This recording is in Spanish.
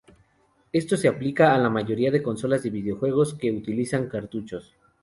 Esto se aplica a la mayoría de consolas de videojuegos que utilizan cartuchos.